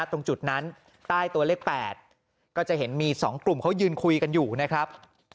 ตรงจุดนั้นใต้ตัวเลข๘ก็จะเห็นมี๒กลุ่มเขายืนคุยกันอยู่นะครับ